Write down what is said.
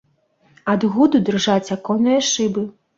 Ад гуду дрыжаць аконныя шыбы.